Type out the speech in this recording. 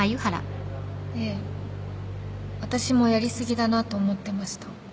ええ私もやり過ぎだなと思ってました。